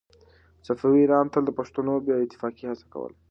صفوي ایران تل د پښتنو د بې اتفاقۍ هڅه کوله.